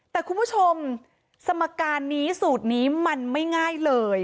แต่คุณผู้ชมสมการนี้สูตรนี้มันไม่ง่ายเลย